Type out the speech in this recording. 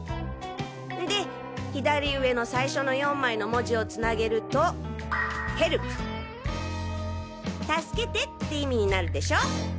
んで左上の最初の４枚の文字をつなげると「ＨＥＬＰ」「助けて」って意味になるでしょ？